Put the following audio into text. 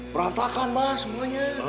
perantakan bah semuanya